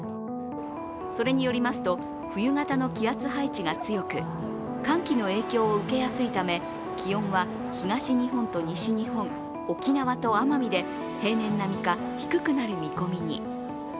それによりますと、冬型の気圧配置が強く、寒気の影響を受けやすいため、気温は東日本と西日本、沖縄と奄美で平年並みか低くなる見込みに。